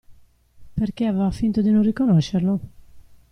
Perché aveva finto di non riconoscerlo?